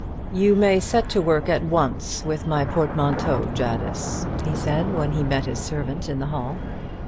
"You may set to work at once with my portmanteau, Jadis," he said, when he met his servant in the hall.